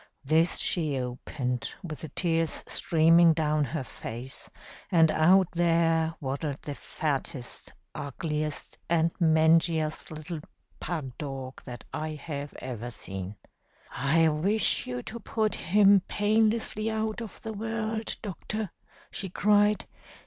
This she opened with the tears streaming down her face, and out there waddled the fattest, ugliest, and mangiest little pug dog that I have ever seen. 'I wish you to put him painlessly out of the world, doctor,' she cried.